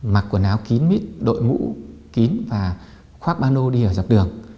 mặc quần áo kín mít đội mũ kín và khoác bano đi ở dọc đường